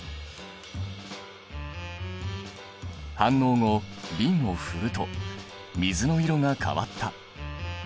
反応後瓶を振ると水の色が変わった。